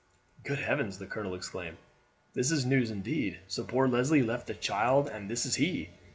"Good heavens!" the colonel exclaimed; "this is news indeed. So poor Leslie left a child and this is he!